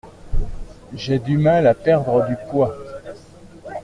J'ai du mal à perdre du poids.